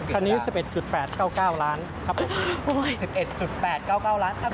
ตอนนี้๑๑๘๙๙ล้านครับผม๑๑๘๙๙ล้านครับ